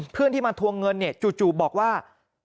เพื่อนที่มาทวงเงินเนี่ยจู่บอกว่า